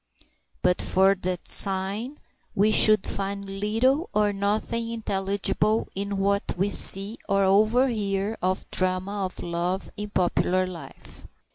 But for that sign we should find little or nothing intelligible in what we see or overhear of the drama of love in popular life.